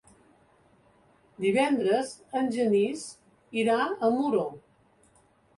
Divendres en Genís irà a Muro.